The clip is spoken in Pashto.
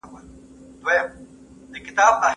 د محلي ټولنو مسایل د پاملرنې اړتیا لري.